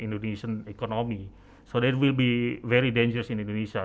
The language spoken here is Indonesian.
adalah bahwa kita memiliki pelanggan dari indonesia